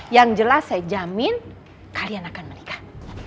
yang jelas saya jamin kalian akan menikah